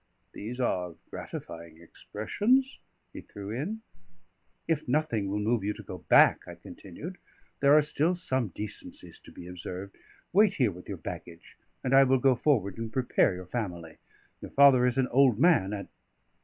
"These are gratifying expressions," he threw in. "If nothing will move you to go back," I continued, "there are still some decencies to be observed. Wait here with your baggage, and I will go forward and prepare your family. Your father is an old man; and